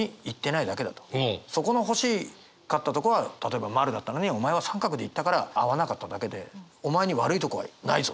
そこの欲しかったとこは例えば円だったのにお前は三角で行ったから合わなかっただけでお前に悪いとこはないぞと。